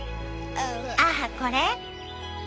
ああこれ？